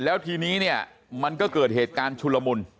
แล้วทีนี้เนี่ยมันก็เกิดเหตุการณ์ชุลมุน